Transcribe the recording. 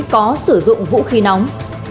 có sử dụng vũ khí nóng